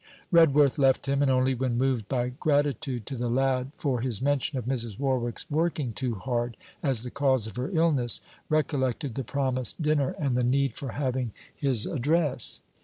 Redworth left him, and only when moved by gratitude to the lad for his mention of Mrs. Warwick's 'working too hard,' as the cause of her illness, recollected the promised dinner and the need for having his address.